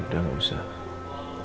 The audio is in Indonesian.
udah gak usah